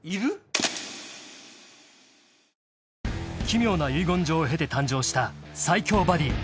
［奇妙な遺言状を経て誕生した最強バディ］